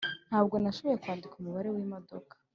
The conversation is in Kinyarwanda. ntabwo nashoboye kwandika umubare wimodoka.